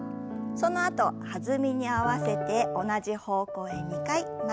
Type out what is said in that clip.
そのあと弾みに合わせて同じ方向へ２回曲げて戻します。